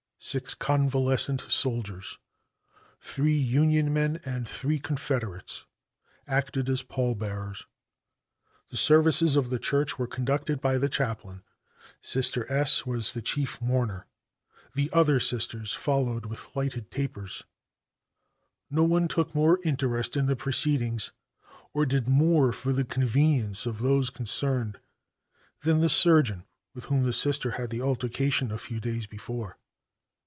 Six convalescent soldiers three Union men and three Confederates, acted as pall bearers. The services of the church were conducted by the chaplain. Sister S was the chief mourner. The other sisters followed with lighted tapers. No one took more interest in the proceedings or did more for the convenience of those concerned than the surgeon with whom the Sister had the altercation a few days before.